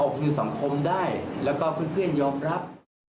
คือสังคมได้แล้วก็เพื่อนยอมรับ